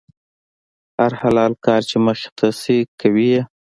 هر حلال کار چې مخې ته شي، کوي یې.